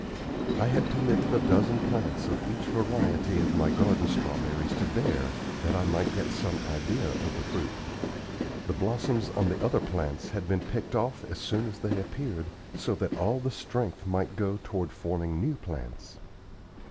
I had permitted a dozen plants of each variety of my garden strawberries to bear, that I might get some idea of the fruit. The blossoms on the other plants had been picked off as soon as they appeared, so that all the strength might go toward forming new plants.